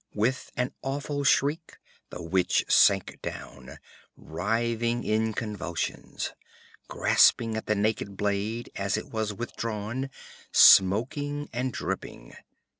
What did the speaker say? With an awful shriek the witch sank down, writhing in convulsions, grasping at the naked blade as it was withdrawn, smoking and dripping.